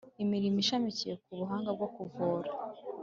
imirimo ishamikiye ku buhanga bwo kuvura